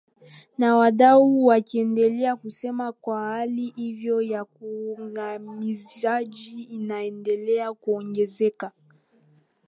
na wadau wakiendelea kusema kuwa hali hiyo ya ukandamizaji inaendelea kuongezeka